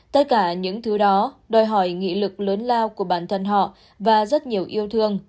tất cả những thứ đó đòi hỏi nghị lực lớn lao của bản thân họ và rất nhiều yêu thương